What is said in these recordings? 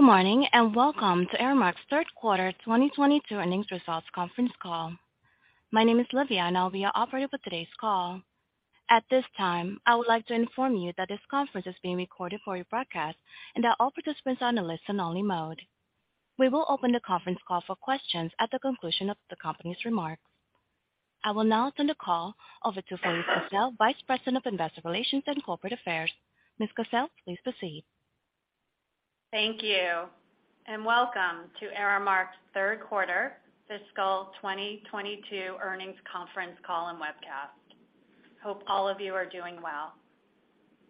Good morning, and welcome to Aramark's Third Quarter 2022 Earnings Results Conference Call. My name is Livia, and I'll be your operator for today's call. At this time, I would like to inform you that this conference is being recorded for rebroadcast and that all participants are in a listen only mode. We will open the conference call for questions at the conclusion of the company's remarks. I will now turn the call over to Felise Kissell, Vice President of Investor Relations and Corporate Affairs. Ms. Kissell, please proceed. Thank you, and welcome to Aramark's Third Quarter Fiscal 2022 Earnings Conference Call and Webcast. Hope all of you are doing well.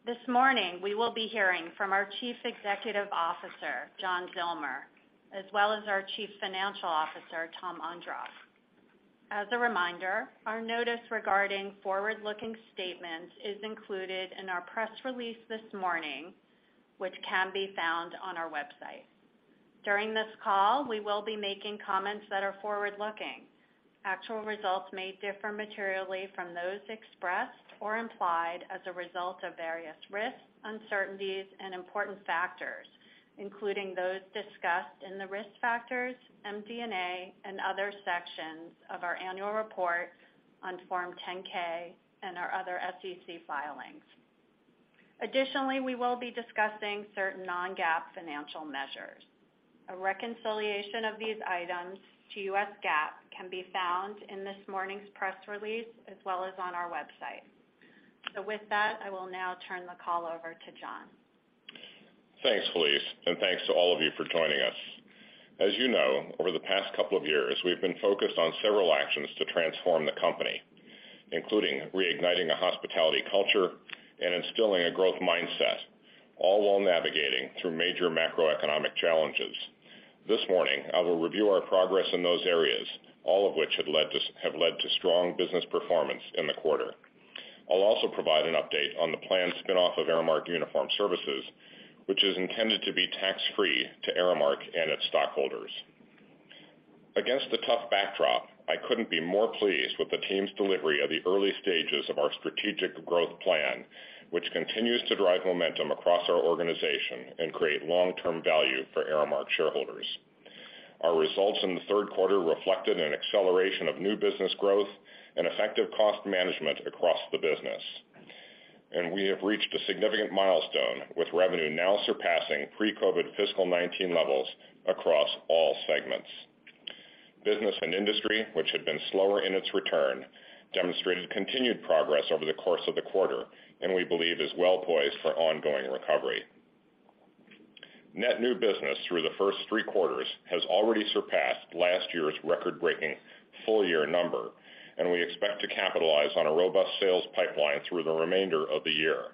This morning, we will be hearing from our Chief Executive Officer, John Zillmer, as well as our Chief Financial Officer, Tom Ondrof. As a reminder, our notice regarding forward-looking statements is included in our press release this morning, which can be found on our website. During this call, we will be making comments that are forward-looking. Actual results may differ materially from those expressed or implied as a result of various risks, uncertainties, and important factors, including those discussed in the Risk Factors, MD&A and other sections of our annual report on Form 10-K and our other SEC filings. Additionally, we will be discussing certain non-GAAP financial measures. A reconciliation of these items to U.S. GAAP can be found in this morning's press release as well as on our website. With that, I will now turn the call over to John. Thanks, Felise, and thanks to all of you for joining us. As you know, over the past couple of years, we've been focused on several actions to transform the company, including reigniting a hospitality culture and instilling a growth mindset, all while navigating through major macroeconomic challenges. This morning, I will review our progress in those areas, all of which have led to strong business performance in the quarter. I'll also provide an update on the planned spin-off of Aramark Uniform Services, which is intended to be tax-free to Aramark and its stockholders. Against the tough backdrop, I couldn't be more pleased with the team's delivery of the early stages of our strategic growth plan, which continues to drive momentum across our organization and create long-term value for Aramark shareholders. Our results in the third quarter reflected an acceleration of new business growth and effective cost management across the business. We have reached a significant milestone with revenue now surpassing pre-COVID fiscal 2019 levels across all segments. Business and Industry, which had been slower in its return, demonstrated continued progress over the course of the quarter, and we believe is well poised for ongoing recovery. Net new business through the first three quarters has already surpassed last year's record-breaking full year number, and we expect to capitalize on a robust sales pipeline through the remainder of the year,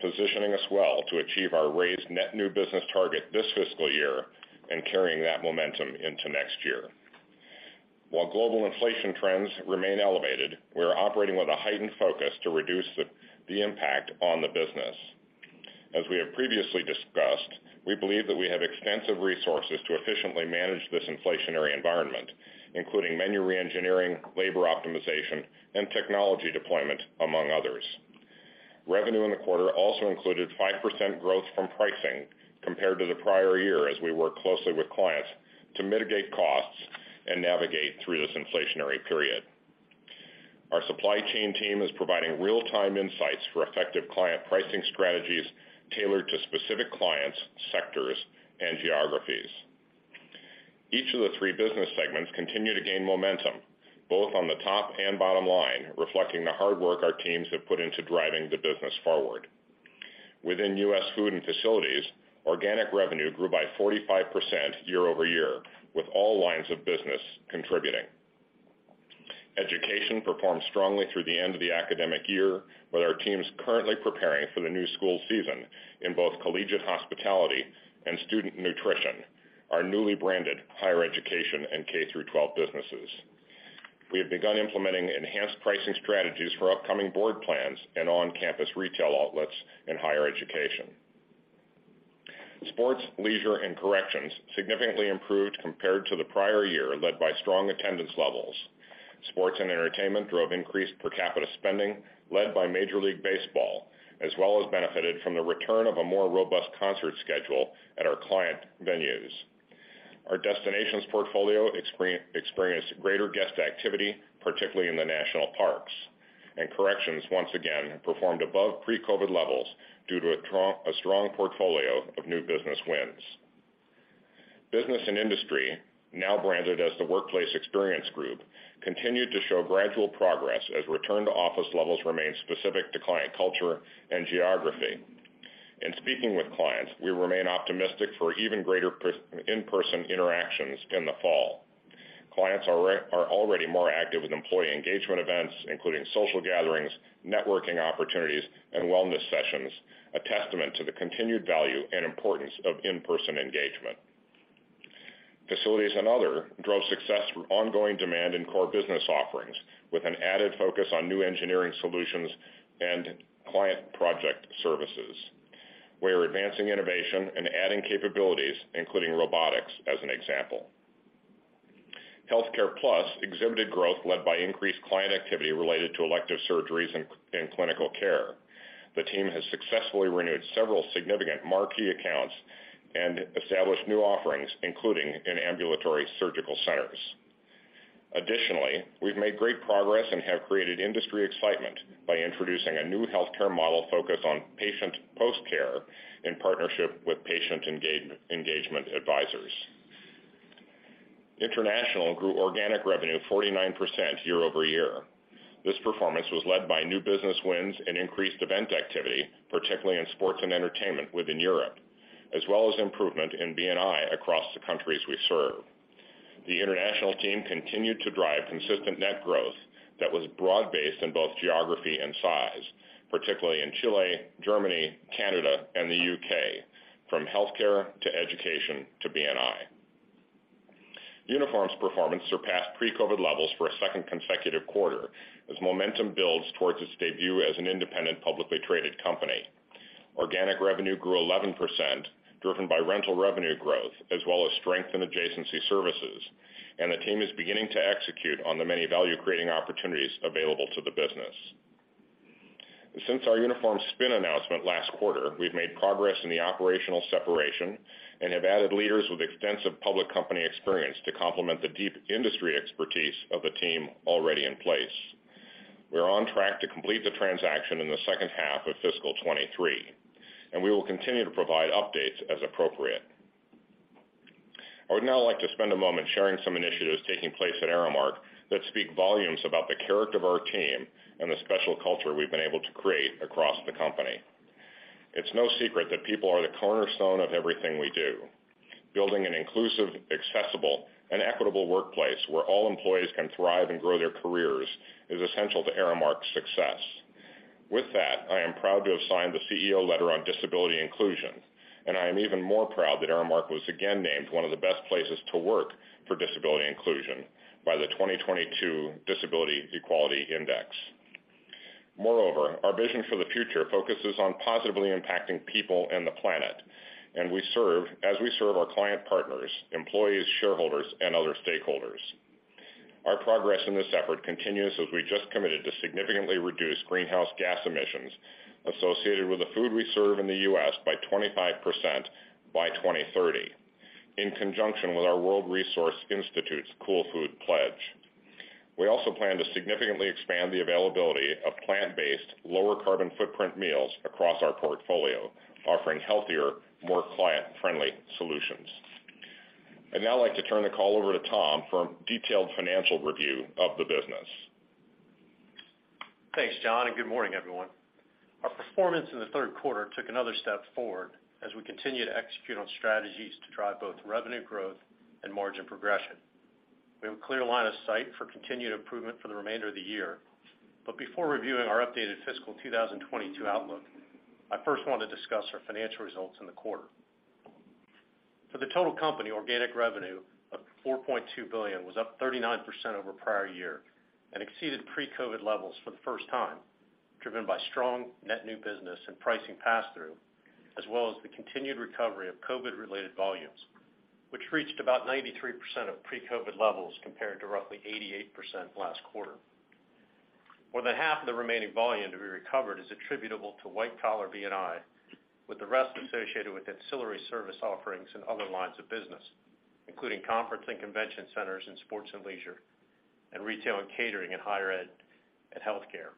positioning us well to achieve our raised net new business target this fiscal year and carrying that momentum into next year. While global inflation trends remain elevated, we are operating with a heightened focus to reduce the impact on the business. As we have previously discussed, we believe that we have extensive resources to efficiently manage this inflationary environment, including menu reengineering, labor optimization, and technology deployment, among others. Revenue in the quarter also included 5% growth from pricing compared to the prior year as we work closely with clients to mitigate costs and navigate through this inflationary period. Our supply chain team is providing real-time insights for effective client pricing strategies tailored to specific clients, sectors, and geographies. Each of the three business segments continue to gain momentum, both on the top and bottom line, reflecting the hard work our teams have put into driving the business forward. Within U.S. Food and Facilities, organic revenue grew by 45% year-over-year, with all lines of business contributing. Education performed strongly through the end of the academic year, with our teams currently preparing for the new school season in both Collegiate Hospitality and student nutrition, our newly branded higher education and K-12 businesses. We have begun implementing enhanced pricing strategies for upcoming board plans and on-campus retail outlets in higher education. Sports, leisure, and corrections significantly improved compared to the prior year, led by strong attendance levels. Sports and entertainment drove increased per capita spending led by Major League Baseball, as well as benefited from the return of a more robust concert schedule at our client venues. Our destinations portfolio experienced greater guest activity, particularly in the national parks. Corrections, once again performed above pre-COVID levels due to a strong portfolio of new business wins. Business and Industry, now branded as the Workplace Experience Group, continued to show gradual progress as return to office levels remain specific to client culture and geography. In speaking with clients, we remain optimistic for even greater in-person interactions in the fall. Clients are already more active in employee engagement events, including social gatherings, networking opportunities, and wellness sessions, a testament to the continued value and importance of in-person engagement. Facilities and other drove success through ongoing demand in core business offerings with an added focus on new engineering solutions and client project services. We are advancing innovation and adding capabilities, including robotics, as an example. Healthcare+ exhibited growth led by increased client activity related to elective surgeries and clinical care. The team has successfully renewed several significant marquee accounts and established new offerings, including in ambulatory surgical centers. We've made great progress and have created industry excitement by introducing a new healthcare model focused on patient post-care in partnership with patient engagement advisors. International grew organic revenue 49% year-over-year. This performance was led by new business wins and increased event activity, particularly in sports and entertainment within Europe, as well as improvement in B&I across the countries we serve. The international team continued to drive consistent net growth that was broad-based in both geography and size, particularly in Chile, Germany, Canada, and the U.K., from healthcare to education to B&I. Uniforms performance surpassed pre-COVID levels for a second consecutive quarter as momentum builds towards its debut as an independent, publicly traded company. Organic revenue grew 11%, driven by rental revenue growth, as well as strength in adjacency services, and the team is beginning to execute on the many value-creating opportunities available to the business. Since our Uniforms spin announcement last quarter, we've made progress in the operational separation and have added leaders with extensive public company experience to complement the deep industry expertise of the team already in place. We are on track to complete the transaction in the second half of fiscal 2023, and we will continue to provide updates as appropriate. I would now like to spend a moment sharing some initiatives taking place at Aramark that speak volumes about the character of our team and the special culture we've been able to create across the company. It's no secret that people are the cornerstone of everything we do. Building an inclusive, accessible, and equitable workplace where all employees can thrive and grow their careers is essential to Aramark's success. With that, I am proud to have signed the CEO Letter on Disability Inclusion, and I am even more proud that Aramark was again named one of the best places to work for disability inclusion by the 2022 Disability Equality Index. Moreover, our vision for the future focuses on positively impacting people and the planet, and as we serve our client partners, employees, shareholders, and other stakeholders. Our progress in this effort continues as we just committed to significantly reduce greenhouse gas emissions associated with the food we serve in the U.S. by 25% by 2030, in conjunction with our World Resources Institute's Cool Food Pledge. We also plan to significantly expand the availability of plant-based, lower carbon footprint meals across our portfolio, offering healthier, more client-friendly solutions. I'd now like to turn the call over to Tom for a detailed financial review of the business. Thanks, John, and good morning, everyone. Our performance in the third quarter took another step forward as we continue to execute on strategies to drive both revenue growth and margin progression. We have a clear line of sight for continued improvement for the remainder of the year. Before reviewing our updated fiscal 2022 outlook, I first want to discuss our financial results in the quarter. For the total company, organic revenue of $4.2 billion was up 39% over prior year and exceeded pre-COVID levels for the first time, driven by strong net new business and pricing pass-through, as well as the continued recovery of COVID-related volumes, which reached about 93% of pre-COVID levels, compared to roughly 88% last quarter. More than half of the remaining volume to be recovered is attributable to white-collar B&I, with the rest associated with ancillary service offerings and other lines of business, including conference and convention centers in sports and leisure, and retail and catering in higher ed and healthcare.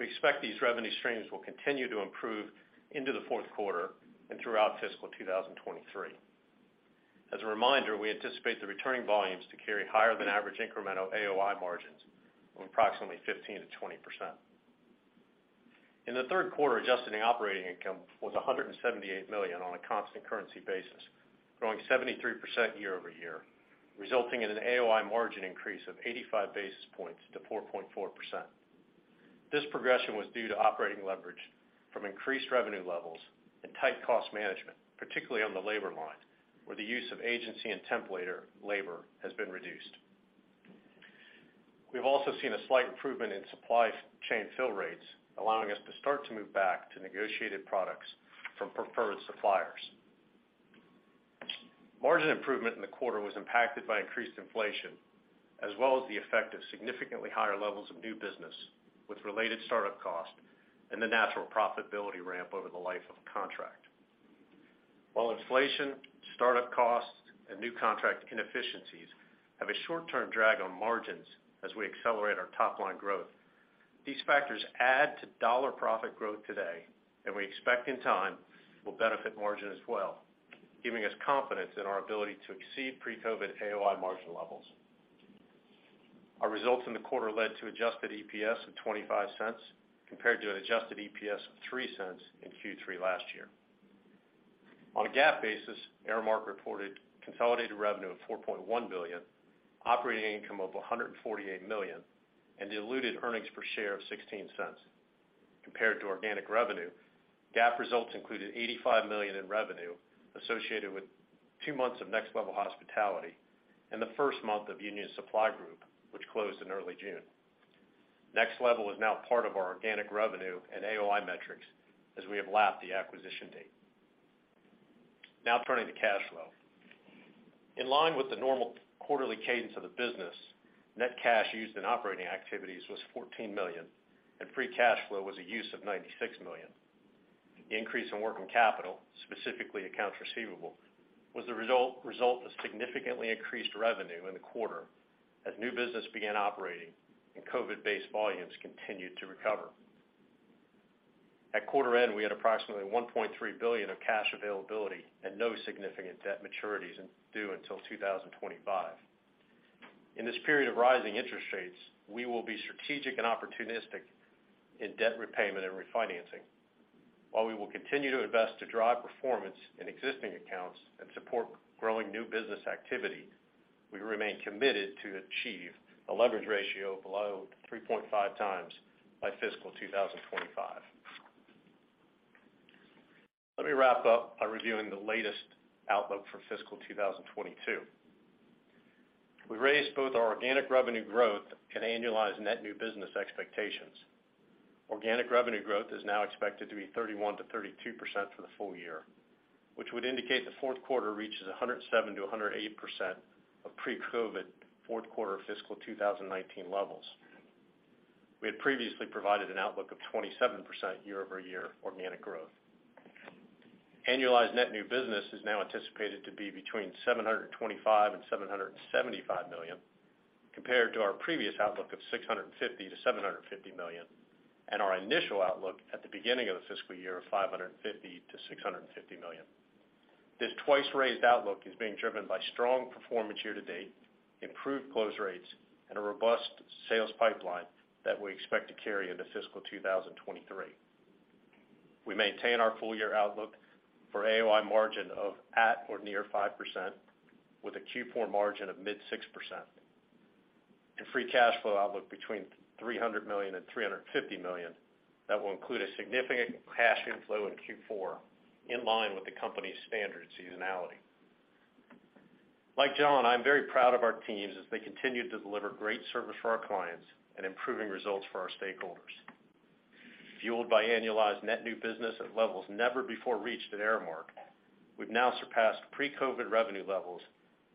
We expect these revenue streams will continue to improve into the fourth quarter and throughout fiscal 2023. As a reminder, we anticipate the returning volumes to carry higher than average incremental AOI margins of approximately 15%-20%. In the third quarter, adjusted operating income was $178 million on a constant currency basis, growing 73% year-over-year, resulting in an AOI margin increase of 85 basis points to 4.4%. This progression was due to operating leverage from increased revenue levels and tight cost management, particularly on the labor line, where the use of agency and temp labor has been reduced. We've also seen a slight improvement in supply chain fill rates, allowing us to start to move back to negotiated products from preferred suppliers. Margin improvement in the quarter was impacted by increased inflation, as well as the effect of significantly higher levels of new business with related startup costs and the natural profitability ramp over the life of contract. While inflation, startup costs, and new contract inefficiencies have a short-term drag on margins as we accelerate our top line growth, these factors add to dollar profit growth today, and we expect in time will benefit margin as well, giving us confidence in our ability to exceed pre-COVID AOI margin levels. Our results in the quarter led to adjusted EPS of $0.25 compared to an adjusted EPS of $0.03 in Q3 last year. On a GAAP basis, Aramark reported consolidated revenue of $4.1 billion, operating income of $148 million, and diluted earnings per share of $0.16. Compared to organic revenue, GAAP results included $85 million in revenue associated with two months of Next Level Hospitality and the first month of Union Supply Group, which closed in early June. Next Level is now part of our organic revenue and AOI metrics as we have lapped the acquisition date. Now turning to cash flow. In line with the normal quarterly cadence of the business, net cash used in operating activities was $14 million, and free cash flow was a use of $96 million. The increase in working capital, specifically accounts receivable, was the result of significantly increased revenue in the quarter as new business began operating and COVID-based volumes continued to recover. At quarter end, we had approximately $1.3 billion of cash availability and no significant debt maturities due until 2025. In this period of rising interest rates, we will be strategic and opportunistic in debt repayment and refinancing. While we will continue to invest to drive performance in existing accounts and support growing new business activity, we remain committed to achieve a leverage ratio below 3.5x by fiscal 2025. Let me wrap up by reviewing the latest outlook for fiscal 2022. We raised both our organic revenue growth and annualized net new business expectations. Organic revenue growth is now expected to be 31%-32% for the full year, which would indicate the fourth quarter reaches 107%-108% of pre-COVID fourth quarter fiscal 2019 levels. We had previously provided an outlook of 27% year-over-year organic growth. Annualized net new business is now anticipated to be between $725 million and $775 million, compared to our previous outlook of $650 million-$750 million, and our initial outlook at the beginning of the fiscal year of $550 million-$650 million. This twice-raised outlook is being driven by strong performance year-to-date, improved close rates, and a robust sales pipeline that we expect to carry into fiscal 2023. We maintain our full-year outlook for AOI margin of at or near 5%, with a Q4 margin of mid-6% and free cash flow outlook between $300 million and $350 million that will include a significant cash inflow in Q4, in line with the company's standard seasonality. Like John, I'm very proud of our teams as they continue to deliver great service for our clients and improving results for our stakeholders. Fueled by annualized net new business at levels never before reached at Aramark, we've now surpassed pre-COVID revenue levels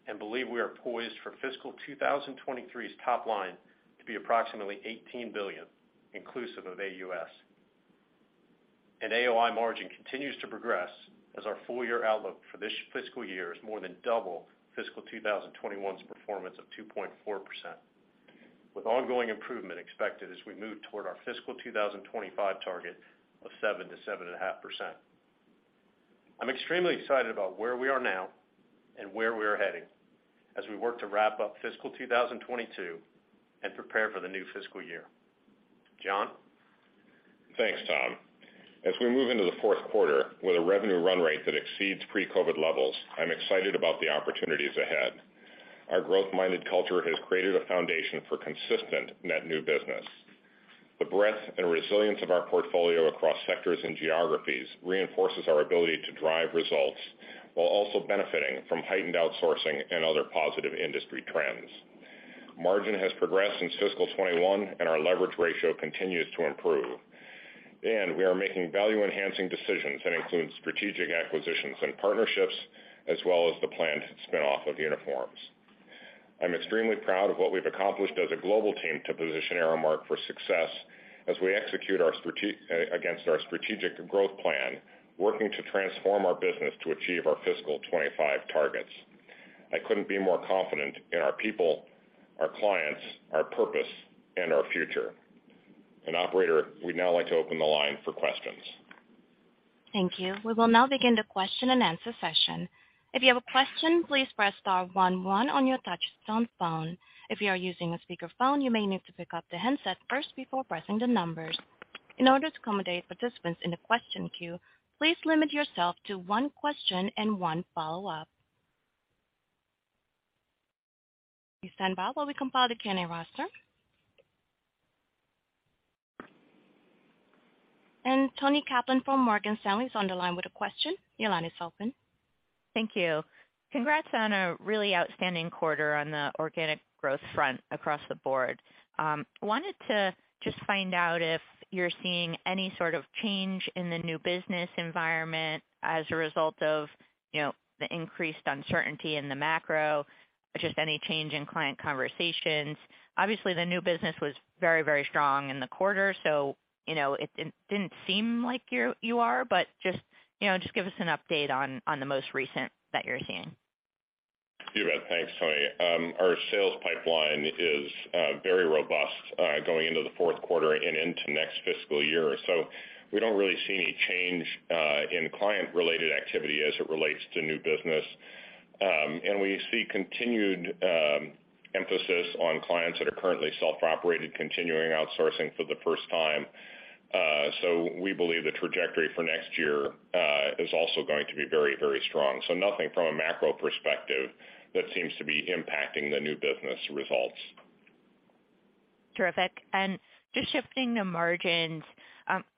and believe we are poised for fiscal 2023's top line to be approximately $18 billion, inclusive of AUS. AOI margin continues to progress as our full-year outlook for this fiscal year is more than double fiscal 2021's performance of 2.4%, with ongoing improvement expected as we move toward our fiscal 2025 target of 7%-7.5%. I'm extremely excited about where we are now and where we are heading as we work to wrap up fiscal 2022 and prepare for the new fiscal year. John? Thanks, Tom. As we move into the fourth quarter with a revenue run rate that exceeds pre-COVID levels, I'm excited about the opportunities ahead. Our growth-minded culture has created a foundation for consistent net new business. The breadth and resilience of our portfolio across sectors and geographies reinforces our ability to drive results while also benefiting from heightened outsourcing and other positive industry trends. Margin has progressed since fiscal 2021, and our leverage ratio continues to improve. We are making value-enhancing decisions that include strategic acquisitions and partnerships as well as the planned spin-off of Uniforms. I'm extremely proud of what we've accomplished as a global team to position Aramark for success as we execute against our strategic growth plan, working to transform our business to achieve our fiscal 2025 targets. I couldn't be more confident in our people, our clients, our purpose, and our future. Operator, we'd now like to open the line for questions. Thank you. We will now begin the question-and-answer session. If you have a question, please press star one one on your touch-tone phone. If you are using a speakerphone, you may need to pick up the handset first before pressing the numbers. In order to accommodate participants in the question queue, please limit yourself to one question and one follow-up. Please stand by while we compile the Q&A roster. Toni Kaplan from Morgan Stanley is on the line with a question. Your line is open. Thank you. Congrats on a really outstanding quarter on the organic growth front across the board. Wanted to just find out if you're seeing any sort of change in the new business environment as a result of, you know, the increased uncertainty in the macro, just any change in client conversations. Obviously, the new business was very, very strong in the quarter, so, you know, it didn't seem like you are, but just, you know, just give us an update on the most recent that you're seeing. You bet. Thanks, Toni. Our sales pipeline is very robust going into the fourth quarter and into next fiscal year. We don't really see any change in client-related activity as it relates to new business. We see continued emphasis on clients that are currently self-operated continuing outsourcing for the first time. We believe the trajectory for next year is also going to be very, very strong. Nothing from a macro perspective that seems to be impacting the new business results. Terrific. Just shifting to margins,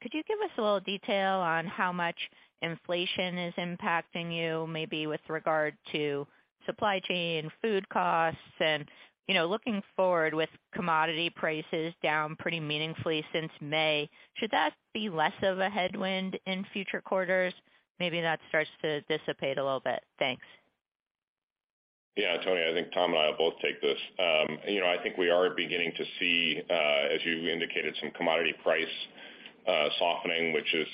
could you give us a little detail on how much inflation is impacting you, maybe with regard to supply chain, food costs, and, you know, looking forward with commodity prices down pretty meaningfully since May, should that be less of a headwind in future quarters? Maybe that starts to dissipate a little bit. Thanks. Yeah, Toni, I think Tom and I will both take this. You know, I think we are beginning to see, as you indicated, some commodity price softening, which is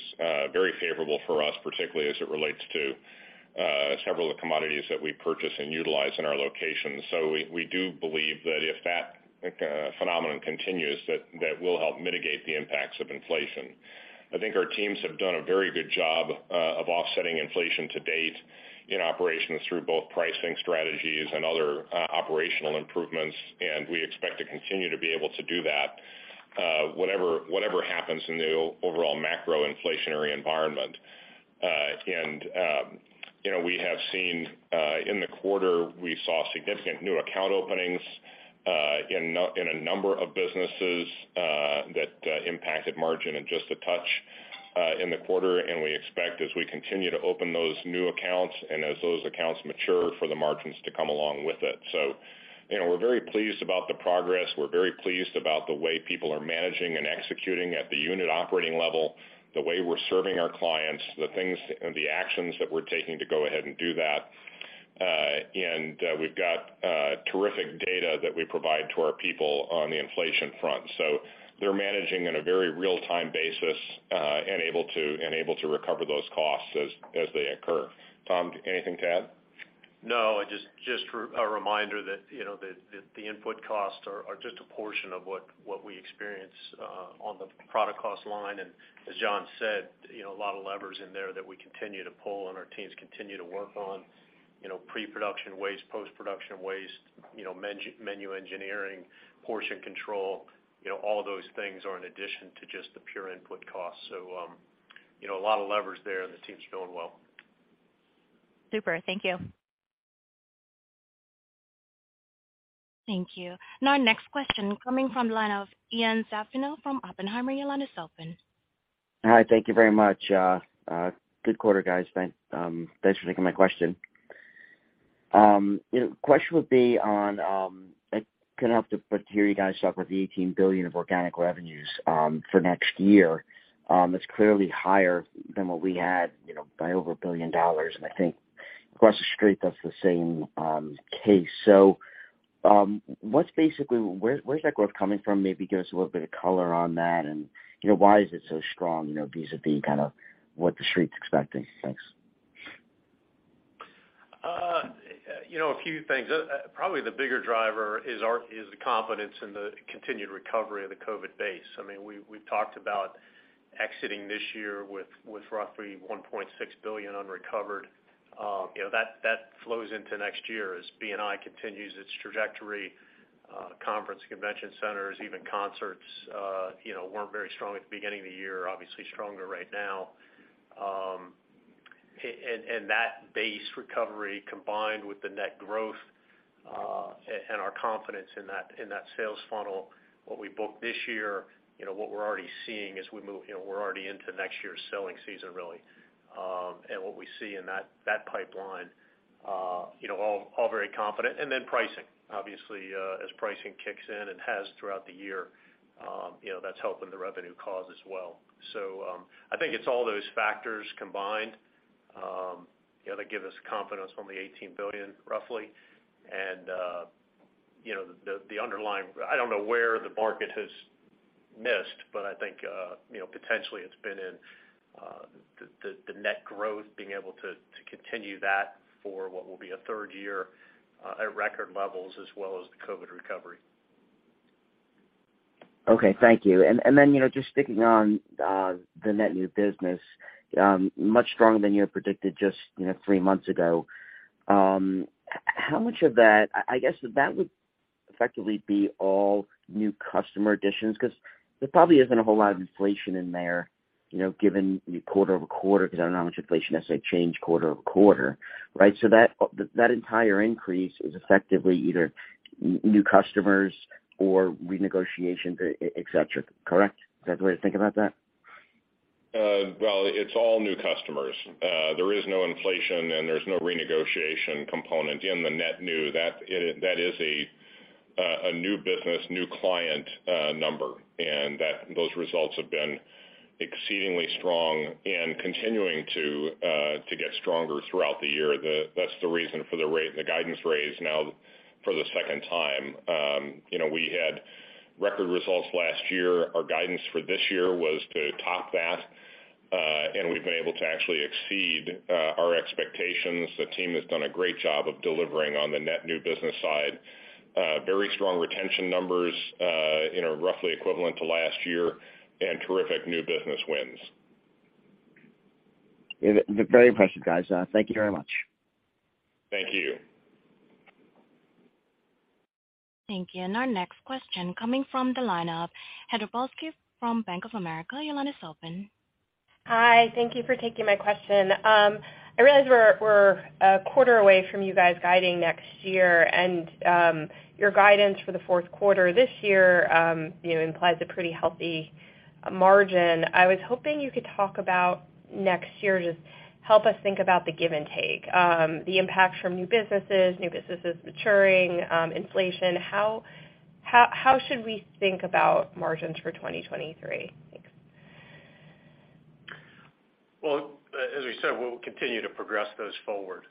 very favorable for us, particularly as it relates to several of the commodities that we purchase and utilize in our locations. So we do believe that if that, like, phenomenon continues, that will help mitigate the impacts of inflation. I think our teams have done a very good job of offsetting inflation to date in operations through both pricing strategies and other operational improvements, and we expect to continue to be able to do that, whatever happens in the overall macro inflationary environment. you know, we have seen in the quarter, we saw significant new account openings in a number of businesses that impacted margin and just a touch in the quarter. We expect as we continue to open those new accounts and as those accounts mature for the margins to come along with it. So, you know, we're very pleased about the progress. We're very pleased about the way people are managing and executing at the unit operating level, the way we're serving our clients, the things and the actions that we're taking to go ahead and do that. We've got terrific data that we provide to our people on the inflation front. So, they're managing in a very real time basis and able to recover those costs as they occur. Tom, anything to add? No, just a reminder that, you know, that the input costs are just a portion of what we experience on the product cost line. As John said, you know, a lot of levers in there that we continue to pull, and our teams continue to work on. You know, pre-production waste, post-production waste, you know, menu engineering, portion control, you know, all of those things are in addition to just the pure input costs. You know, a lot of levers there, and the team's doing well. Super. Thank you. Thank you. Now, next question coming from the line of Ian Zaffino from Oppenheimer. Your line is open. Hi, thank you very much. Good quarter, guys. Thanks for taking my question. Question would be on. I kinda have to put you guys at $18 billion of organic revenues for next year. It's clearly higher than what we had, you know, by over $1 billion. I think across the street, that's the same case. What's basically where is that growth coming from? Maybe give us a little bit of color on that. You know, why is it so strong, you know, vis-a-vis kind of what the street's expecting? Thanks. You know, a few things. Probably the bigger driver is the confidence in the continued recovery of the COVID base. I mean, we've talked about exiting this year with roughly $1.6 billion unrecovered. You know, that flows into next year as B&I continues its trajectory, conference convention centers, even concerts, you know, weren't very strong at the beginning of the year, obviously stronger right now. And that base recovery combined with the net growth, and our confidence in that sales funnel, what we book this year, you know, what we're already seeing as we move, you know, we're already into next year's selling season, really. And what we see in that pipeline, you know, all very confident. And then pricing. Obviously, as pricing kicks in and has throughout the year, you know, that's helping the revenue cause as well. I think it's all those factors combined, you know, that give us confidence on the $18 billion, roughly. You know, I don't know where the market has missed, but I think, you know, potentially it's been in the net growth, being able to continue that for what will be a third year at record levels as well as the COVID recovery. Okay, thank you. You know, just sticking on the net new business, much stronger than you predicted just, you know, three months ago. How much of that, I guess, that would effectively be all new customer additions because there probably isn't a whole lot of inflation in there, you know, given quarter-over-quarter, because I don't know how much inflation necessarily change quarter-over-quarter, right? That entire increase is effectively either new customers or renegotiation, et cetera. Correct? Is that the way to think about that? Well, it's all new customers. There is no inflation and there's no renegotiation component in the net new. That is a new business, new client number. Those results have been exceedingly strong and continuing to get stronger throughout the year. That's the reason for the guidance raise now for the second time. You know, we had record results last year. Our guidance for this year was to top that, and we've been able to actually exceed our expectations. The team has done a great job of delivering on the net new business side. Very strong retention numbers, you know, roughly equivalent to last year and terrific new business wins. Very impressive, guys. Thank you very much. Thank you. Thank you. Our next question coming from the line of Heather Balsky from Bank of America. Your line is open. Hi. Thank you for taking my question. I realize we're a quarter away from you guys guiding next year, and your guidance for the fourth quarter this year, you know, implies a pretty healthy margin. I was hoping you could talk about next year. Just help us think about the give and take, the impact from new businesses maturing, inflation. How should we think about margins for 2023? Thanks. As we said, we'll continue to progress those forward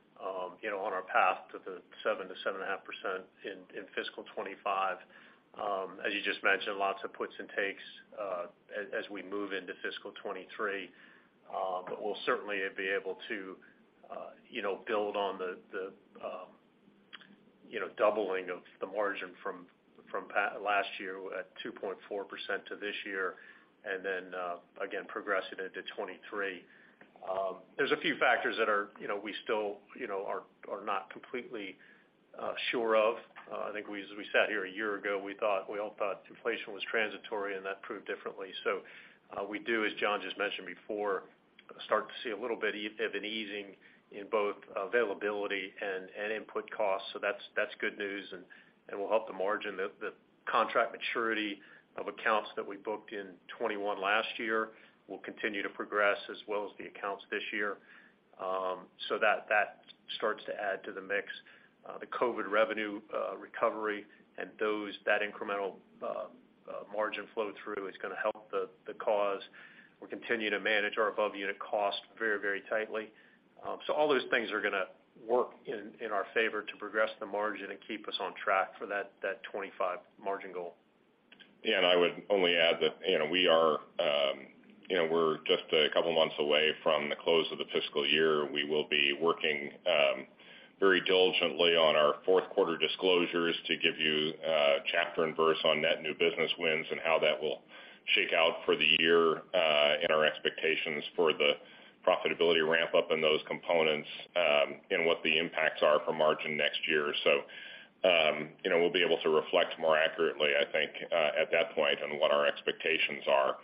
on our path to the 7%-7.5% in fiscal 2025. As you just mentioned, lots of puts and takes as we move into fiscal 2023. We'll certainly be able to build on the doubling of the margin from last year at 2.4% to this year, and then again, progressing into 2023. There's a few factors that we still are not completely sure of. I think we, as we sat here a year ago, we thought, we all thought inflation was transitory, and that proved differently. We do, as John just mentioned before, start to see a little bit of an easing in both availability and input costs. That's good news and will help the margin. The contract maturity of accounts that we booked in 2021 last year will continue to progress as well as the accounts this year. That starts to add to the mix. The COVID revenue recovery and that incremental margin flow through is gonna help the cause. We're continuing to manage our above unit cost very, very tightly. All those things are gonna work in our favor to progress the margin and keep us on track for that 25% margin goal. Yeah, I would only add that, you know, we are, you know, we're just a couple of months away from the close of the fiscal year. We will be working very diligently on our fourth quarter disclosures to give you chapter and verse on net new business wins and how that will shake out for the year, and our expectations for the profitability ramp up in those components, and what the impacts are for margin next year. You know, we'll be able to reflect more accurately, I think, at that point on what our expectations are.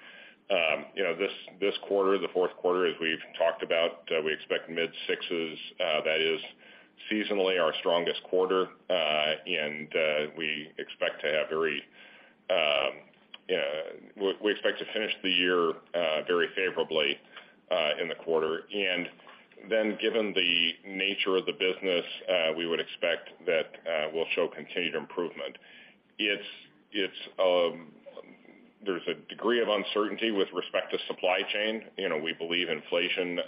You know, this quarter, the fourth quarter, as we've talked about, we expect mid-sixes. That is seasonally our strongest quarter, and we expect to have very, we expect to finish the year very favorably in the quarter. Then given the nature of the business, we would expect that we'll show continued improvement. There's a degree of uncertainty with respect to supply chain. You know, we believe inflation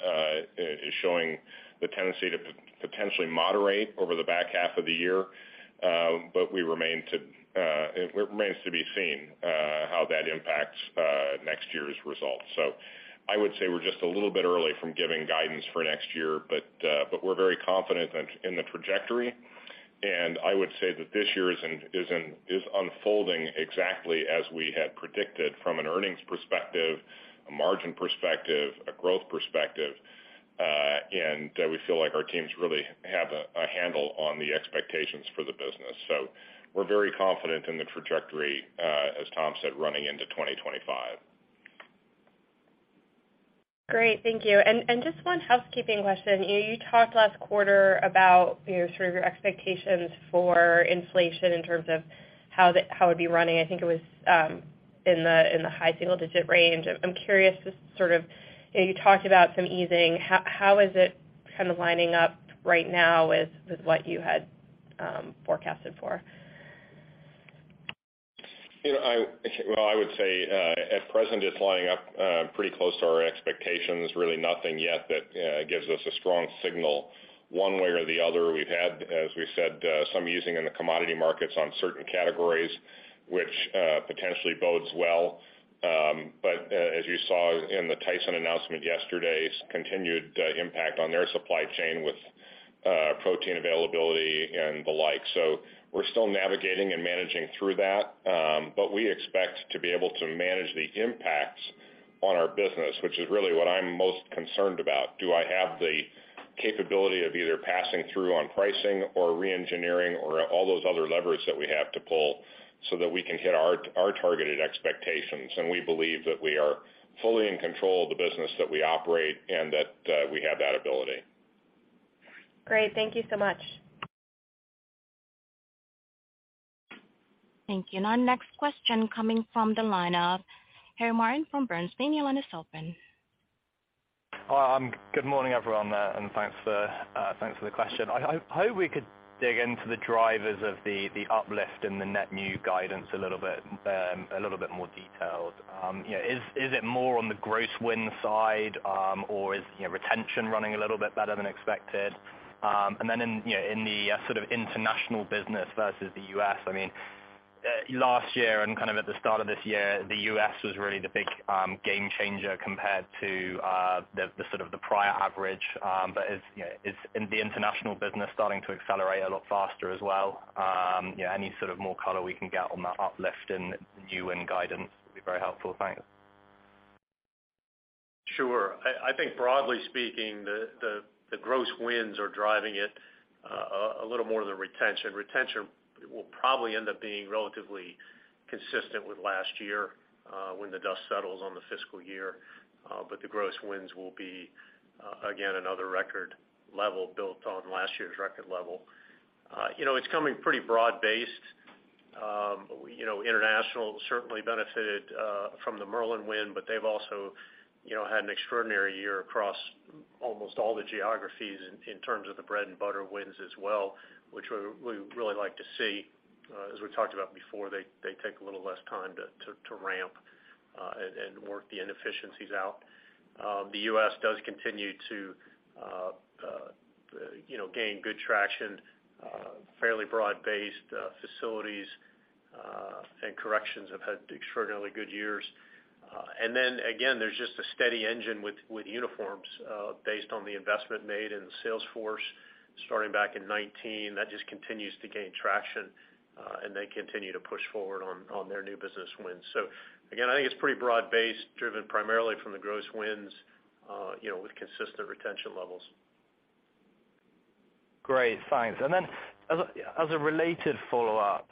is showing the tendency to potentially moderate over the back half of the year, but it remains to be seen how that impacts next year's results. I would say we're just a little bit early from giving guidance for next year, but we're very confident in the trajectory. I would say that this year is unfolding exactly as we had predicted from an earnings perspective, a margin perspective, a growth perspective, and that we feel like our teams really have a handle on the expectations for the business. We're very confident in the trajectory, as Tom said, running into 2025. Great. Thank you. Just one housekeeping question. You know, you talked last quarter about, you know, sort of your expectations for inflation in terms of how it would be running. I think it was in the high single digit range. I'm curious just sort of, you know, you talked about some easing. How is it kind of lining up right now with what you had forecasted for? You know, well, I would say at present, it's lining up pretty close to our expectations. Really nothing yet that gives us a strong signal one way or the other. We've had, as we said, some easing in the commodity markets on certain categories which potentially bodes well. As you saw in the Tyson announcement yesterday, the continued impact on their supply chain with protein availability and the like. We're still navigating and managing through that, but we expect to be able to manage the impacts on our business, which is really what I'm most concerned about. Do I have the capability of either passing through on pricing or re-engineering or all those other levers that we have to pull so that we can hit our targeted expectations? We believe that we are fully in control of the business that we operate and that we have that ability. Great. Thank you so much. Thank you. Our next question coming from the line of Harry Martin from Bernstein. Your line is open. Hi. Good morning, everyone, and thanks for the question. I hope we could dig into the drivers of the uplift in the net new guidance a little bit more detailed. You know, is it more on the gross win side, or is, you know, retention running a little bit better than expected? In, you know, in the sort of international business versus the U.S., I mean, last year and kind of at the start of this year, the U.S. was really the big game changer compared to the sort of prior average. Is, you know, the international business starting to accelerate a lot faster as well? You know, any sort of more color we can get on that uplift in new win guidance would be very helpful. Thanks. Sure. I think broadly speaking, the gross wins are driving it a little more than retention. Retention will probably end up being relatively consistent with last year, when the dust settles on the fiscal year, but the gross wins will be, again, another record level built on last year's record level. You know, it's coming pretty broad-based. You know, international certainly benefited from the Merlin win, but they've also, you know, had an extraordinary year across almost all the geographies in terms of the bread-and-butter wins as well, which we really like to see. As we talked about before, they take a little less time to ramp and work the inefficiencies out. The U.S. does continue to, you know, gain good traction, fairly broad-based, Facilities and Corrections have had extraordinarily good years. Then again, there's just a steady engine with Uniforms, based on the investment made in the sales force starting back in 2019. That just continues to gain traction, and they continue to push forward on their new business wins. Again, I think it's pretty broad-based, driven primarily from the gross wins, you know, with consistent retention levels. Great. Thanks. As a related follow-up,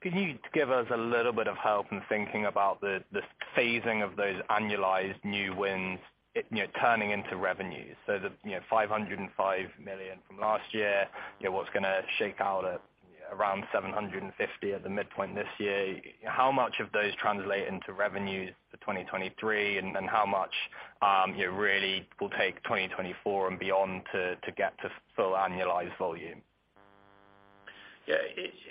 can you give us a little bit of help in thinking about the phasing of those annualized new wins, you know, turning into revenues? The $505 million from last year, you know, what's gonna shake out at around $750 at the midpoint this year. How much of those translate into revenues for 2023, and how much it really will take 2024 and beyond to get to full annualized volume? Yeah.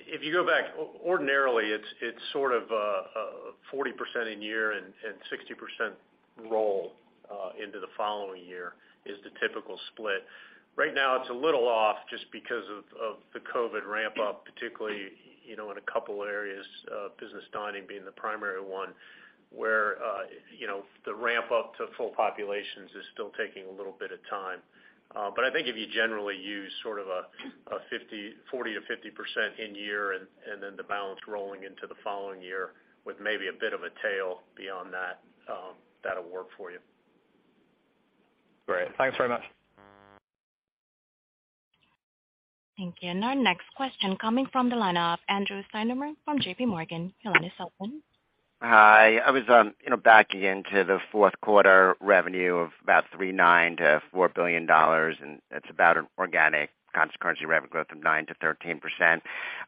If you go back, ordinarily it's sort of a 40% in year and 60% roll into the following year is the typical split. Right now, it's a little off just because of the COVID ramp up, particularly, you know, in a couple areas, business dining being the primary one, where you know, the ramp up to full populations is still taking a little bit of time. But I think if you generally use sort of a 40%-50% in year and then the balance rolling into the following year with maybe a bit of a tail, beyond that'll work for you. Great. Thanks very much. Thank you. Our next question coming from the line of Andrew Steinerman from JP Morgan. Your line is open. Hi. I was, you know, backing into the fourth quarter revenue of about $3.9 billion-$4 billion, and it's about an organic constant currency revenue growth of 9%-13%. I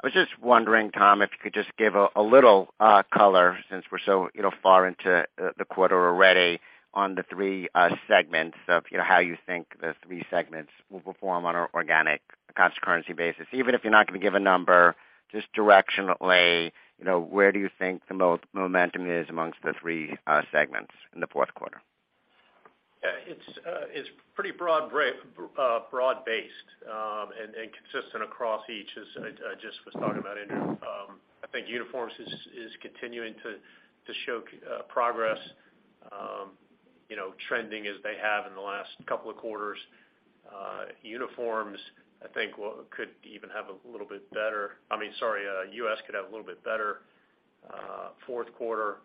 was just wondering, Tom, if you could just give a little color since we're so, you know, far into the quarter already on the three segments of, you know, how you think the three segments will perform on an organic constant currency basis. Even if you're not gonna give a number, just directionally, you know, where do you think the momentum is amongst the three segments in the fourth quarter? Yeah. It's pretty broad-based and consistent across each as I just was talking about, Andrew. I think Uniforms is continuing to show progress, you know, trending as they have in the last couple of quarters. Uniforms I think could even have a little bit better. I mean, sorry, AUS could have a little bit better fourth quarter,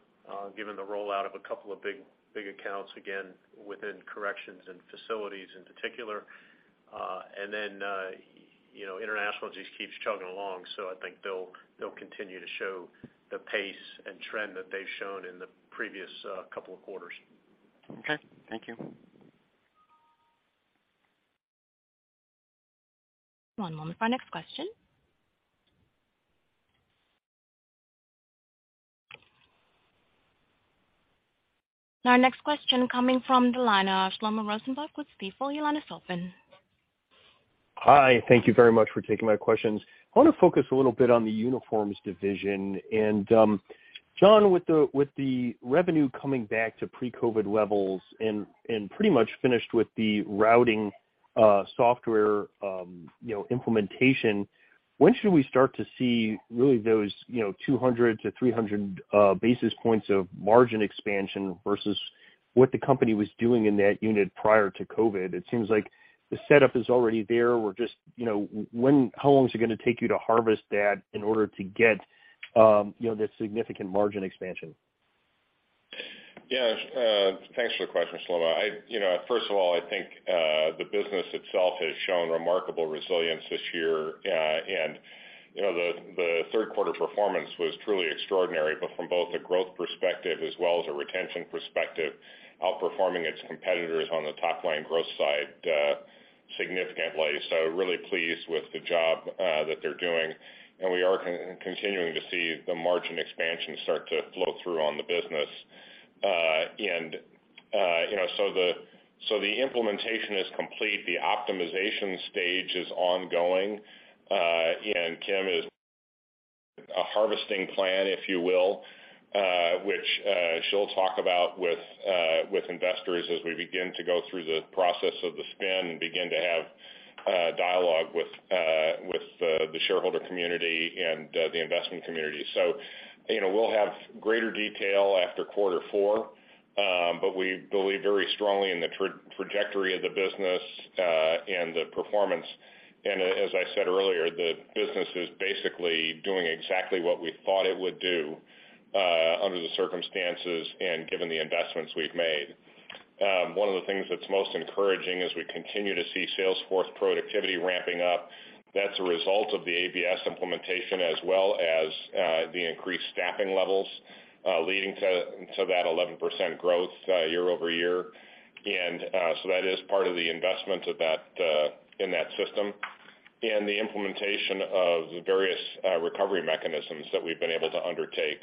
given the rollout of a couple of big accounts, again, within Corrections and Facilities in particular. International just keeps chugging along. So I think they'll continue to show the pace and trend that they've shown in the previous couple of quarters. Okay. Thank you. One moment for our next question. Our next question coming from the line of Shlomo Rosenbaum with Stifel. Your line is open. Hi. Thank you very much for taking my questions. I wanna focus a little bit on the Uniforms division. John, with the revenue coming back to pre-COVID levels and pretty much finished with the routing software you know implementation, when should we start to see really those you know 200–300 basis points of margin expansion versus what the company was doing in that unit prior to COVID? It seems like the setup is already there. We're just you know how long is it gonna take you to harvest that in order to get you know that significant margin expansion? Yeah. Thanks for the question, Shlomo. You know, first of all, I think the business itself has shown remarkable resilience this year. You know, the third quarter performance was truly extraordinary, but from both a growth perspective as well as a retention perspective, outperforming its competitors on the top line growth side, significantly. Really pleased with the job that they're doing. We are continuing to see the margin expansion start to flow through on the business. The implementation is complete, the optimization stage is ongoing. Kim has a harvesting plan, if you will, she'll talk about with investors as we begin to go through the process of the spin and begin to have dialogue with the shareholder community and the investment community. You know, we'll have greater detail after quarter four, but we believe very strongly in the trajectory of the business and the performance. As I said earlier, the business is basically doing exactly what we thought it would do under the circumstances and given the investments we've made. One of the things that's most encouraging is we continue to see sales force productivity ramping up. That's a result of the ABS implementation as well as the increased staffing levels leading to that 11% growth year-over-year. That is part of the investment of that in that system. The implementation of the various recovery mechanisms that we've been able to undertake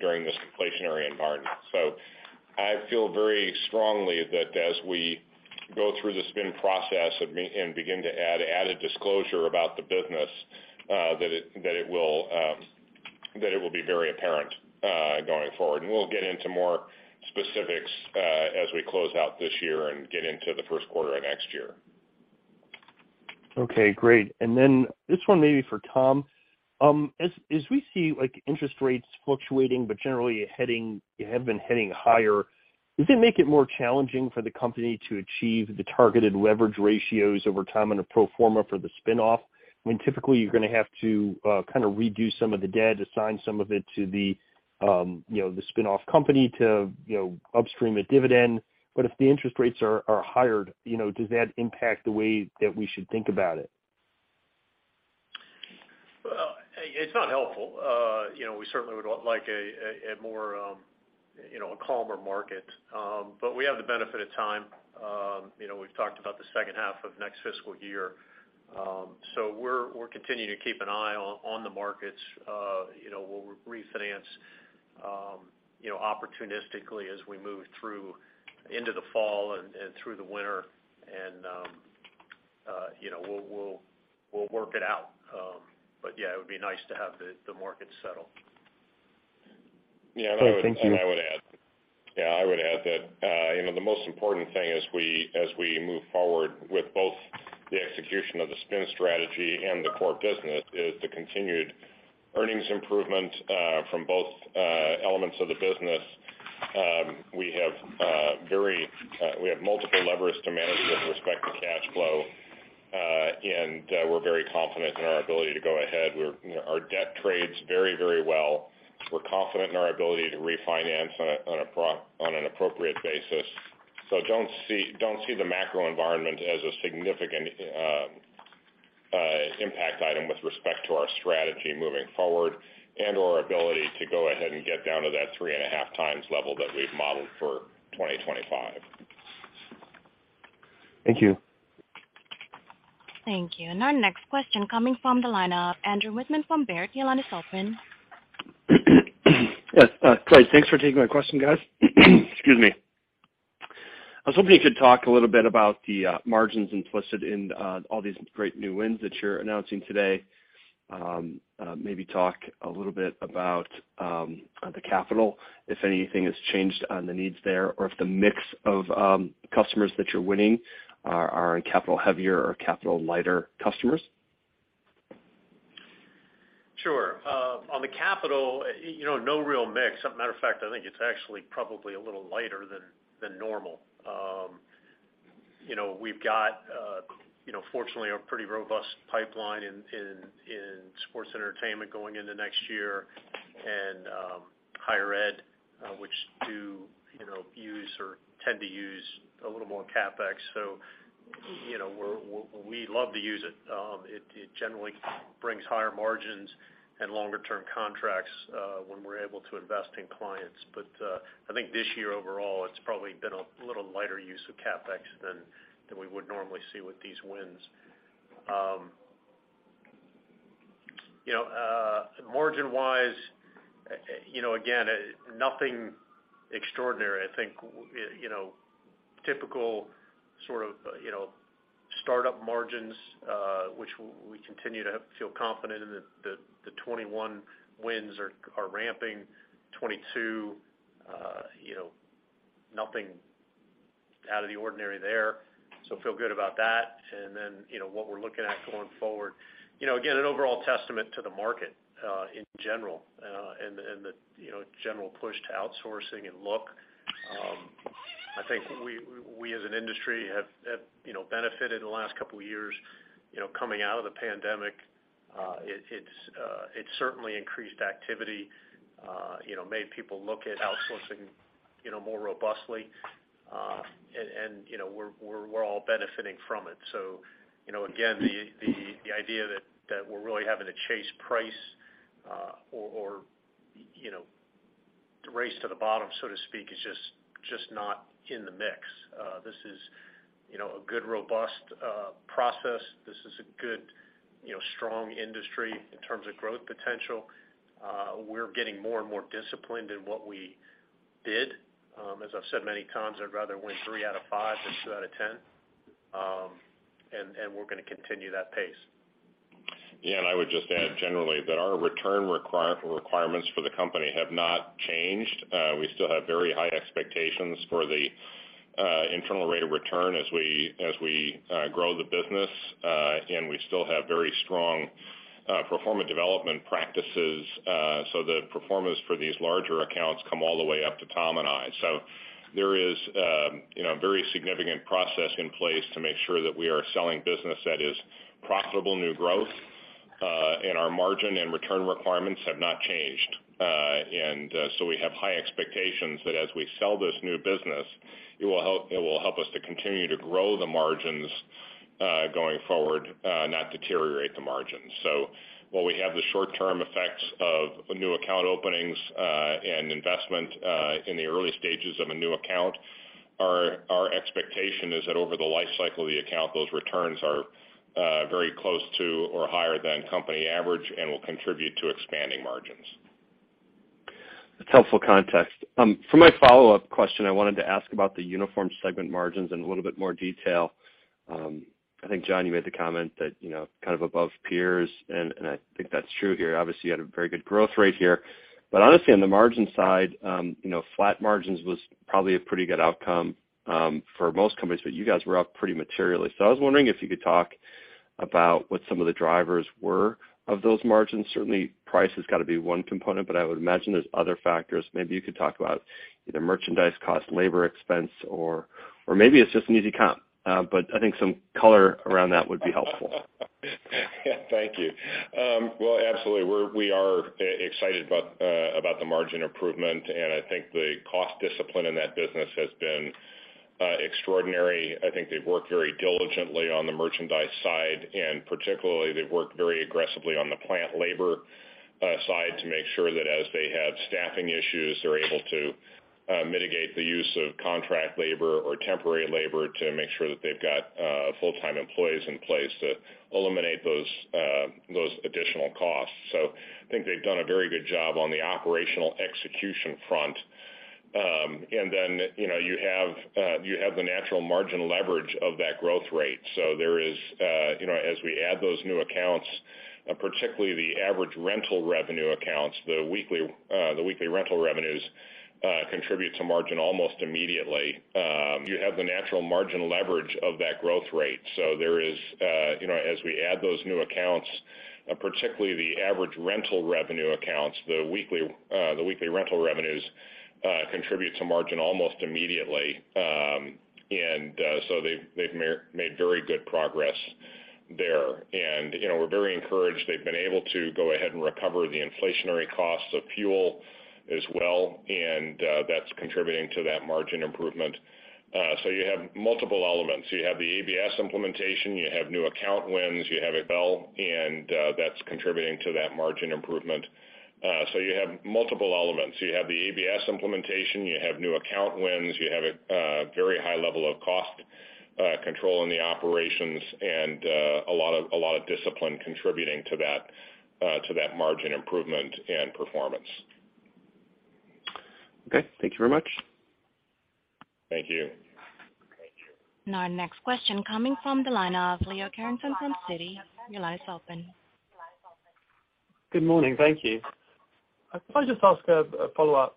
during this inflationary environment. I feel very strongly that as we go through the spin process and begin to add disclosure about the business, that it will be very apparent going forward. We'll get into more specifics as we close out this year and get into the first quarter of next year. Okay, great. Then, this one may be for Tom. As we see like interest rates fluctuating but generally have been heading higher, does it make it more challenging for the company to achieve the targeted leverage ratios over time on a pro forma for the spin-off? I mean, typically, you're gonna have to kind of reduce some of the debt, assign some of it to the, you know, the spin-off company to, you know, upstream a dividend. If the interest rates are higher, you know, does that impact the way that we should think about it? Well, it's not helpful. You know, we certainly would like a more, you know, a calmer market. We have the benefit of time. You know, we've talked about the second half of next fiscal year. We're continuing to keep an eye on the markets. You know, we'll refinance, you know, opportunistically as we move through into the fall and through the winter. You know, we'll work it out. Yeah, it would be nice to have the market settle. Okay, thank you. I would add that, you know, the most important thing as we move forward with both the execution of the spin strategy and the core business is the continued earnings improvement from both elements of the business. We have multiple levers to manage with respect to cash flow, and we're very confident in our ability to go ahead. You know, our debt trades very well. We're confident in our ability to refinance on an appropriate basis. Don't see the macro environment as a significant impact item with respect to our strategy moving forward and/or ability to go ahead and get down to that 3.5x level that we've modeled for 2025. Thank you. Thank you. Our next question coming from the line of Andrew Wittmann from Baird. Your line is open. Yes, great. Thanks for taking my question, guys. Excuse me. I was hoping you could talk a little bit about the margins implicit in all these great new wins that you're announcing today. Maybe talk a little bit about the capital, if anything has changed on the needs there, or if the mix of customers that you're winning are capital heavier or capital lighter customers? Sure. On the capital, you know, no real mix. As a matter of fact, I think it's actually probably a little lighter than normal. You know, we've got fortunately a pretty robust pipeline in sports Entertainment going into next year and Higher Ed, which do, you know, use or tend to use a little more CapEx. You know, we love to use it. It generally brings higher margins and longer term contracts when we're able to invest in clients. I think this year overall, it's probably been a little lighter use of CapEx than we would normally see with these wins. You know, margin wise, you know, again, nothing extraordinary. I think, you know, typical sort of, you know, startup margins, which we continue to feel confident in the 2021 wins are ramping. 2022, you know, nothing out of the ordinary there, so feel good about that. Then, you know, what we're looking at going forward, you know, again, an overall testament to the market in general, and the, you know, general push to outsourcing and look. I think we as an industry have, you know, benefited in the last couple of years, you know, coming out of the pandemic. It's certainly increased activity, you know, made people look at outsourcing, you know, more robustly. And, you know, we're all benefiting from it. You know, again, the idea that we're really having to chase price, or, you know, to race to the bottom, so to speak, is just not in the mix. This is, you know, a good, robust process. This is a good, you know, strong industry in terms of growth potential. We're getting more and more disciplined in what we did. As I've said many times, I'd rather win three out of five than two out of 10, and we're gonna continue that pace. Yeah. I would just add generally, that our return requirements for the company have not changed. We still have very high expectations for the internal rate of return as we grow the business. We still have very strong pro forma development practices. The pro formas for these larger accounts come all the way up to Tom and I. There is, you know, a very significant process in place to make sure that we are selling business that is profitable new growth, and our margin and return requirements have not changed. We have high expectations that as we sell this new business, it will help us to continue to grow the margins going forward, not deteriorate the margins. While we have the short-term effects of new account openings and investment in the early stages of a new account, our expectation is that over the life cycle of the account, those returns are very close to or higher than company average and will contribute to expanding margins. That's helpful context. For my follow-up question, I wanted to ask about the Uniform segment margins in a little bit more detail. I think, John, you made the comment that, you know, kind of above peers, and I think that's true here. Obviously, you had a very good growth rate here. Honestly, on the margin side, you know, flat margins was probably a pretty good outcome for most companies, but you guys were up pretty materially. I was wondering, if you could talk about what some of the drivers were of those margins. Certainly, price has got to be one component, but I would imagine there's other factors. Maybe you could talk about either merchandise cost, labor expense, or maybe it's just an easy comp. I think some color around that would be helpful. Thank you. Well, absolutely. We are excited about the margin improvement, and I think the cost discipline in that business has been extraordinary. I think they've worked very diligently on the merchandise side, and particularly, they've worked very aggressively on the plant labor side to make sure that as they have staffing issues, they're able to mitigate the use of contract labor or temporary labor to make sure that they've got full-time employees in place to eliminate those additional costs. I think they've done a very good job on the operational execution front. You know, you have the natural margin leverage of that growth rate. There is, you know, as we add those new accounts, particularly the average rental revenue accounts, the weekly rental revenues, contribute to margin almost immediately. You have the natural margin leverage of that growth rate. They've made very good progress there. You know, we're very encouraged. They've been able to go ahead and recover the inflationary costs of fuel as well, and that's contributing to that margin improvement. You have multiple elements. You have the ABS implementation, you have new account wins. That's contributing to that margin improvement. You have multiple elements. You have the ABS implementation, you have new account wins, you have a very high level of cost control in the operations and a lot of discipline contributing to that margin improvement and performance. Okay. Thank you very much. Thank you. Our next question coming from the line of Leo Carrington from Citi. Your line is open. Good morning. Thank you. Can I just ask a follow-up,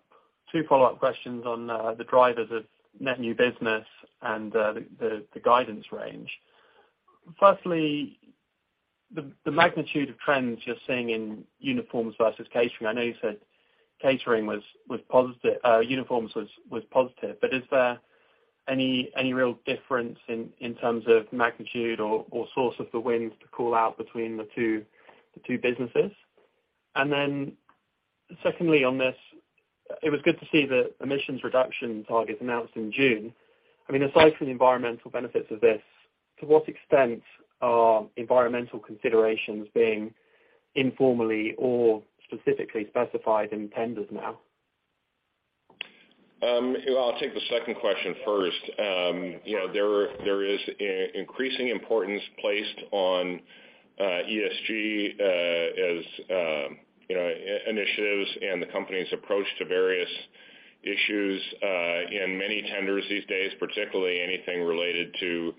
two follow-up questions on the drivers of net new business and the guidance range. Firstly, the magnitude of trends you're seeing in Uniforms versus Catering. I know you said Catering was positive, Uniforms was positive, but is there any real difference in terms of magnitude or source of the wins to call out between the two businesses? Secondly on this, it was good to see the emissions reduction targets announced in June. I mean, aside from the environmental benefits of this, to what extent are environmental considerations being informally or specifically specified in tenders now? I'll take the second question first. You know, there is increasing importance placed on ESG, as you know, initiatives and the company's approach to various issues in many tenders these days, particularly anything related to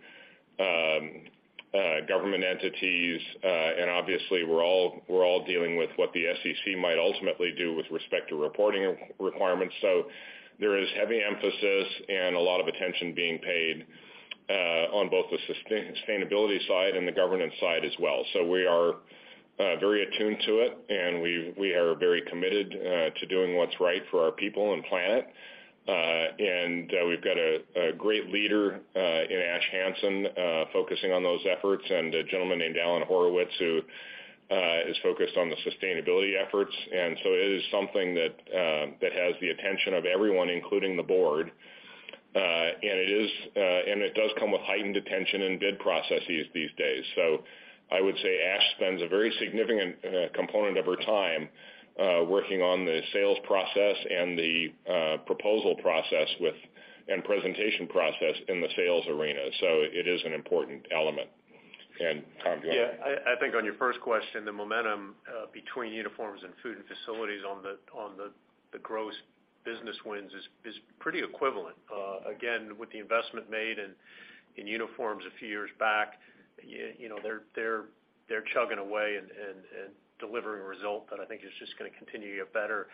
government entities. Obviously, we're all dealing with what the SEC might ultimately do with respect to reporting requirements. There is heavy emphasis and a lot of attention being paid on both the sustainability side and the governance side as well. We are very attuned to it, and we are very committed to doing what's right for our people and planet. We've got a great leader in Ash Hanson focusing on those efforts and a gentleman named Alan Horowitz, who is focused on the sustainability efforts. It is something that has the attention of everyone, including the board. It does come with heightened attention and bid processes these days. I would say Ash spends a very significant component of her time working on the sales process and the proposal process with and presentation process in the sales arena. It is an important element. Tom, do you want to? Yeah. I think on your first question, the momentum between Uniforms, and Food and Facilities on the gross business wins is pretty equivalent. Again, with the investment made in Uniforms a few years back, you know, they're chugging away and delivering a result that I think is just gonna continue to get better.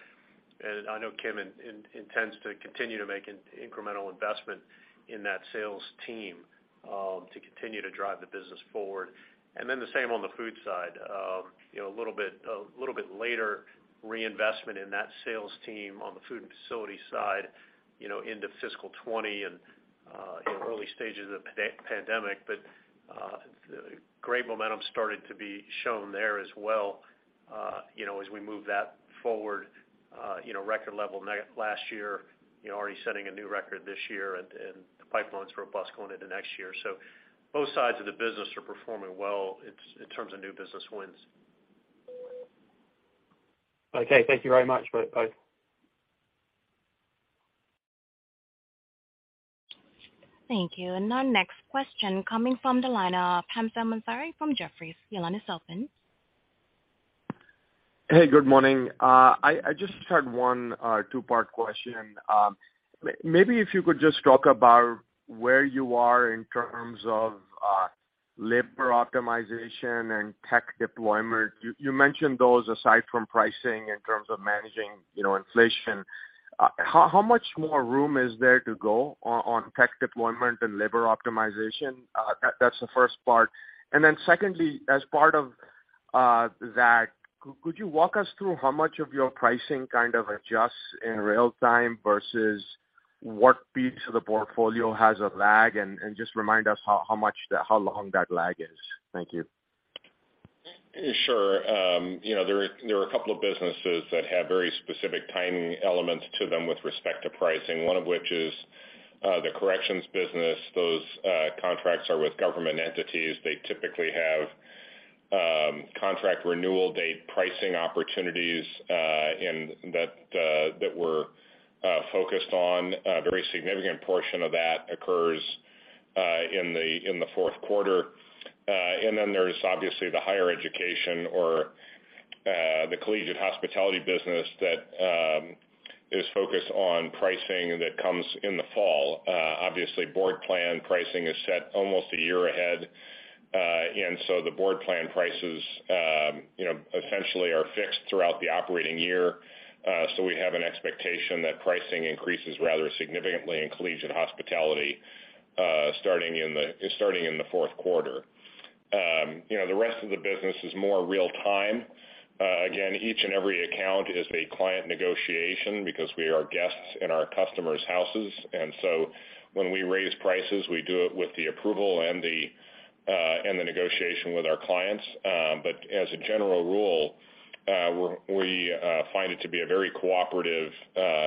I know Kim intends to continue to make incremental investment in that sales team to continue to drive the business forward. Then the same on the food side. You know, a little bit later reinvestment in that sales team on the Food and Facility side, you know, into fiscal 2020 and early stages of the pandemic. Great momentum started to be shown there as well, you know, as we move that forward, you know, record level last year, you know, already setting a new record this year, and the pipeline's robust going into next year. Both sides of the business are performing well. It's in terms of new business wins. Okay, thank you very much both. Thank you. Our next question coming from the line of Hamza Mazari from Jefferies. Your line is open. Hey, good morning. I just had one two-part question. Maybe if you could just talk about where you are in terms of labor optimization and tech deployment. You mentioned those aside from pricing in terms of managing, you know, inflation. How much more room is there to go on tech deployment and labor optimization? That's the first part. Then secondly, as part of that, could you walk us through how much of your pricing kind of adjusts in real time versus what piece of the portfolio has a lag? Just remind us how long that lag is. Thank you. Sure. You know, there are a couple of businesses that have very specific timing elements to them with respect to pricing. One of which is the Corrections business. Those contracts are with government entities. They typically have contract renewal date pricing opportunities in that we're focused on, a very significant portion of that occurs in the fourth quarter. Then there's obviously the Higher Education or the Collegiate Hospitality business that is focused on pricing that comes in the fall. Obviously, board plan pricing is set almost a year ahead. The board plan prices, you know, essentially are fixed throughout the operating year. We have an expectation that pricing increases rather significantly in Collegiate Hospitality starting in the fourth quarter. You know, the rest of the business is more real time. Again, each and every account is a client negotiation because we are guests in our customers' houses. When we raise prices, we do it with the approval and the negotiation with our clients. But as a general rule, we find it to be a very cooperative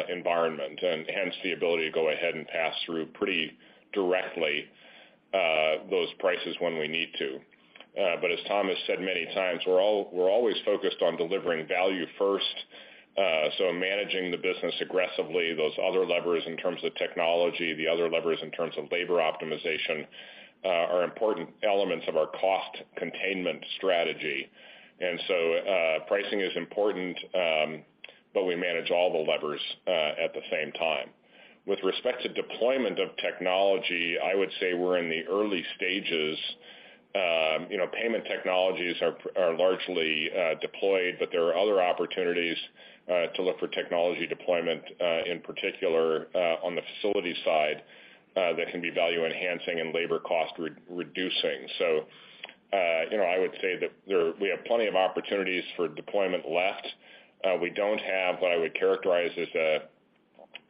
environment and hence, the ability to go ahead and pass through pretty directly those prices when we need to. But as Thomas said many times, we're always focused on delivering value first. Managing the business aggressively, those other levers in terms of technology, the other levers in terms of labor optimization, are important elements of our cost containment strategy. Pricing is important, but we manage all the levers at the same time. With respect to deployment of technology, I would say we're in the early stages. You know, payment technologies are largely deployed, but there are other opportunities to look for technology deployment, in particular, on the facility side, that can be value enhancing and labor cost re-reducing. You know, I would say that we have plenty of opportunities for deployment left. We don't have what I would characterize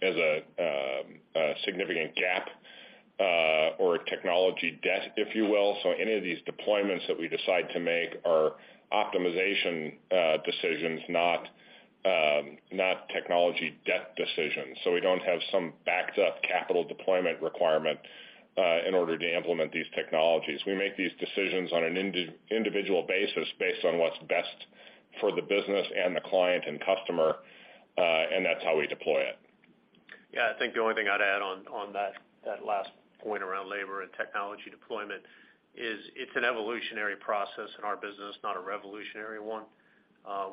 as a significant gap or a technology debt, if you will. Any of these deployments that we decide to make are optimization decisions, not technology debt decisions. We don't have some backed up capital deployment requirement in order to implement these technologies. We make these decisions on an individual basis based on what's best for the business, and the client and customer, and that's how we deploy it. Yeah. I think the only thing I'd add on that last point around labor and technology deployment is it's an evolutionary process in our business, not a revolutionary one.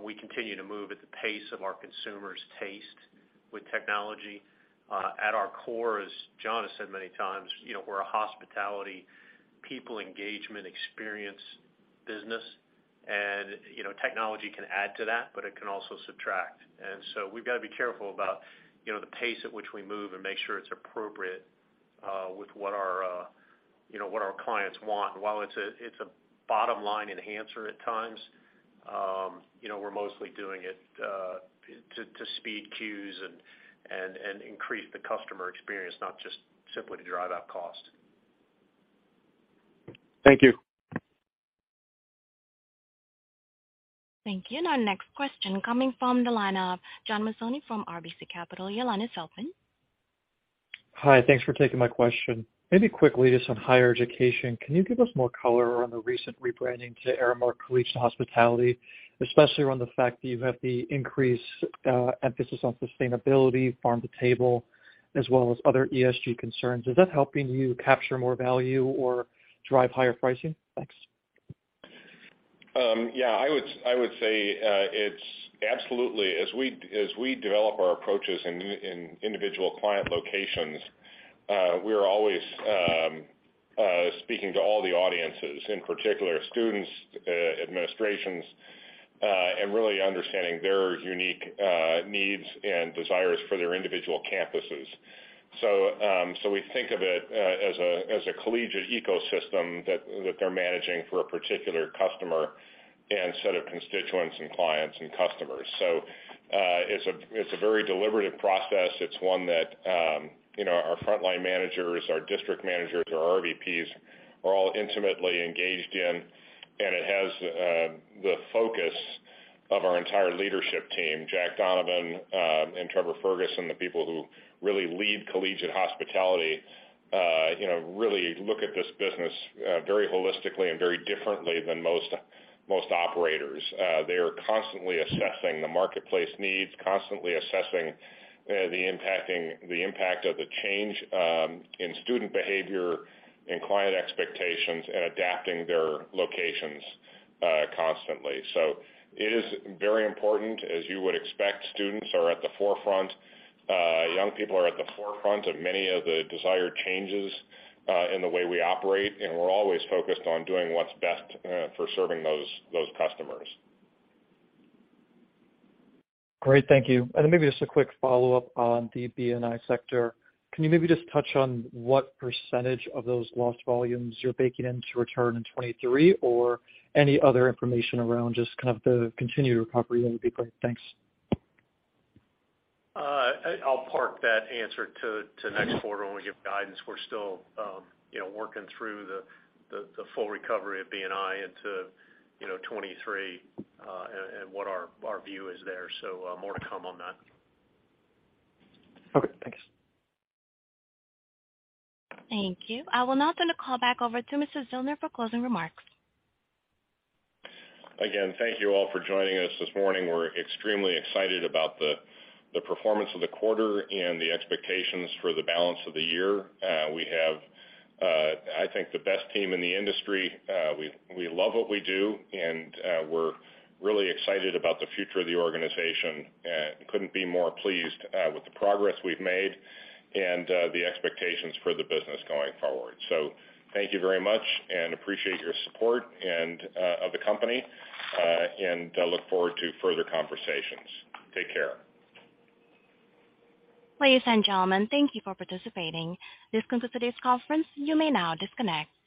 We continue to move at the pace of our consumers' taste with technology. At our core, as John has said many times, you know, we're a hospitality, people engagement, experience business. You know, technology can add to that, but it can also subtract. We've got to be careful about, you know, the pace at which we move and make sure it's appropriate with what our, you know, what our clients want. While it's a bottom-line enhancer at times, you know, we're mostly doing it to speed queues and increase the customer experience, not just simply to drive out cost. Thank you. Thank you. Our next question coming from the line of John Mazzoni from RBC Capital. Your line is open. Hi. Thanks for taking my question. Maybe quickly to some Higher Education. Can you give us more color on the recent rebranding to Aramark Collegiate Hospitality, especially around the fact that you've had the increased emphasis on sustainability, farm-to-table, as well as other ESG concerns. Is that helping you capture more value or drive higher pricing? Thanks. Yeah. I would say it's, absolutely. As we develop our approaches in individual client locations, we are always speaking to all the audiences, in particular students, administrations, and really understanding their unique needs and desires for their individual campuses. We think of it as a collegiate ecosystem that they're managing for a particular customer and set of constituents, and clients, and customers. It's a very deliberative process. It's one that you know, our frontline managers, our district managers, our RVPs are all intimately engaged in. It has the focus of our entire leadership team, Jack Donovan, and Trevor Ferguson, the people who really lead Collegiate Hospitality, you know, really look at this business very holistically and very differently than most operators. They are constantly assessing the marketplace needs, constantly assessing the impact of the change in student behavior and client expectations, and adapting their locations constantly. It is very important. As you would expect, students are at the forefront. Young people are at the forefront of many of the desired changes in the way we operate, and we're always focused on doing what's best for serving those customers. Great, thank you. Maybe just a quick follow-up on the B&I sector. Can you maybe just touch on what percentage of those lost volumes you're baking in to return in 2023, or any other information around just kind of the continued recovery? That would be great. Thanks. I'll park that answer to next quarter when we give guidance. We're still, you know, working through the full recovery of B&I into, you know, 2023, and what our view is there. More to come on that. Okay, thanks. Thank you. I will now turn the call back over to Mr. Zillmer for closing remarks. Again, thank you all for joining us this morning. We're extremely excited about the performance of the quarter and the expectations for the balance of the year. We have I think the best team in the industry. We love what we do and we're really excited about the future of the organization and couldn't be more pleased with the progress we've made and the expectations for the business going forward. Thank you very much and appreciate your support and of the company and I look forward to further conversations. Take care. Ladies and gentlemen, thank you for participating. This concludes today's conference. You may now disconnect. Good day.